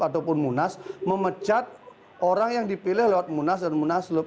ataupun munas memecat orang yang dipilih lewat munas dan munaslup